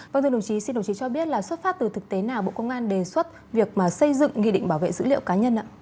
vâng thưa đồng chí xin đồng chí cho biết là xuất phát từ thực tế nào bộ công an đề xuất việc mà xây dựng nghị định bảo vệ dữ liệu cá nhân ạ